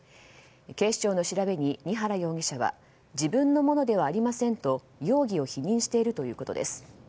警視庁の調べに丹原容疑者は自分のものではありませんと容疑を否認しているということです。